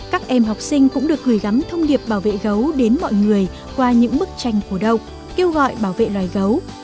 các em học sinh cũng được gửi gắm thông điệp bảo vệ gấu đến mọi người qua những bức tranh cổ động kêu gọi bảo vệ loài gấu